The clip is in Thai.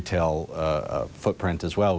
คุณจะพูดถึงกันไหม